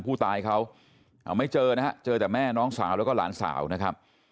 ผู้ตายเขาไม่เจอนะฮะเจอแต่แม่น้องสาวแล้วก็หลานสาวนะครับ